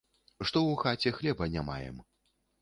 Што ў хаце хлеба не маем.